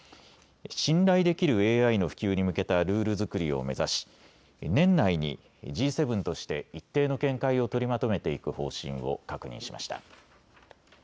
信頼できるＡＩの普及に向けたルール作りを目指し、年内にＧ７として一定の見解を取りまとめていく方針を確認しました。